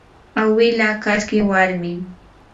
awila kaski warmim